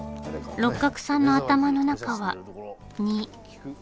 六角さんの頭の中は「肉」。